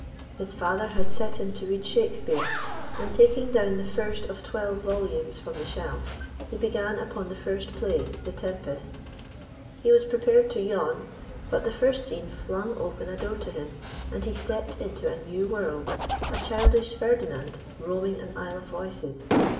His father had set him to read Shakespeare; and, taking down the first of twelve volumes from the shelf, he began upon the first play, The Tempest. He was prepared to yawn, but the first scene flung open a door to him, and he stepped into a new world, a childish Ferdinand roaming an Isle of Voices.